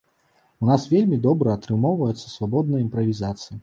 У нас вельмі добра атрымоўваецца свабодная імправізацыя.